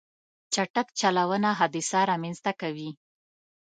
چټک چلوونه حادثه رامنځته کوي.